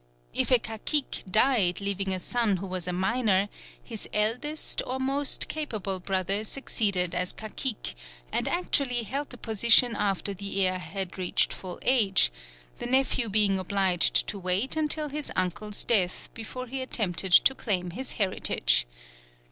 If a cacique died leaving a son who was a minor, his eldest or most capable brother succeeded as cacique, and actually held the position after the heir had reached full age; the nephew being obliged to wait until his uncle's death before he attempted to claim his heritage.